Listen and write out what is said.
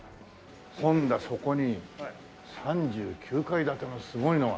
今度そこに３９階建てのすごいのが。